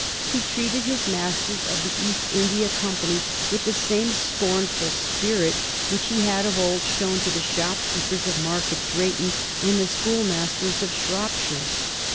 He treated his masters of the East India Oompany with the same scornful spirit which he had of old shown to the shopkeepers of Market Drayton and the school masters of Shropshire.